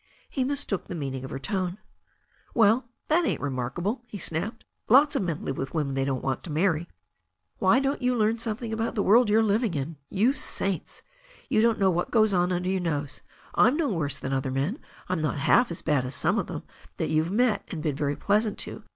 He mistook the meaning of her tone. "Well, that ain't remarkable," he snapped. "Lots of men live with women they don't want to marry. Why don't you learn something about the world you're living in ? You saints! You don't know what goes on under your nose. I'm no worse than other men. I'm not half as bad as some of them that you've met and been very pleasant to.